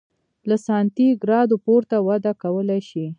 له سانتي ګراد پورته وده کولای شي.